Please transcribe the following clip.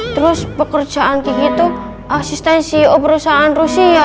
terus pekerjaan gigi tuh asisten ceo perusahaan rusia